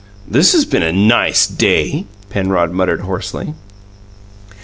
"This has been a NICE day!" Penrod muttered hoarsely.